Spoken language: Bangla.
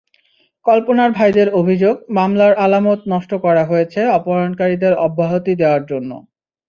কল্পনার ভাইদের অভিযোগ, মামলার আলামত নষ্ট করা হয়েছে অপহরণকারীদের অব্যাহতি দেওয়ার জন্য।